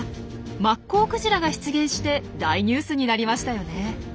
マッコウクジラが出現して大ニュースになりましたよね。